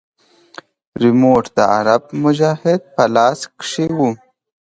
ريموټ د عرب مجاهد په لاس کښې و.